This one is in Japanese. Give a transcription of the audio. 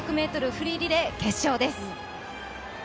フリーリレー、決勝です。